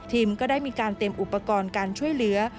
ก็ได้มีการเตรียมอุปกรณ์การช่วยเหลือ